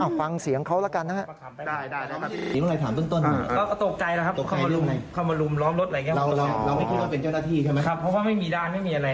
เอาฟังเสียงเขาแล้วกันนะฮะ